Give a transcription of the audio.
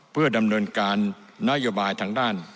เพื่อดำเนินการนโยบายทางด้าน